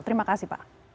terima kasih pak